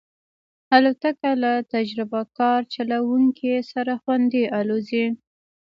الوتکه له تجربهکار چلونکي سره خوندي الوزي.